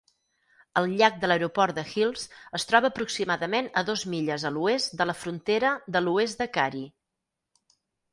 El llac de l'aeroport de Hills es troba aproximadament a dos milles a l'oest de la frontera de l'oest de Cary.